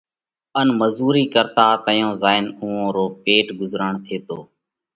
ان مزُورئِي ڪرتا تئيون زائينَ اُوئون رو پيٽ ڳُزروڻ ٿيتو۔